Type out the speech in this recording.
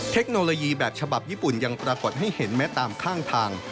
เทคโนโลยีแบบฉบับญี่ปุ่นยังปรากฏให้เห็นแม้ตามข้างทาง